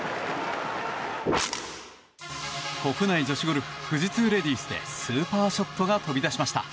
国内女子ゴルフ富士通レディースでスーパーショットが飛び出しました。